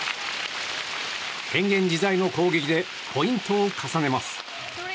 変幻自在の攻撃でポイントを重ねます。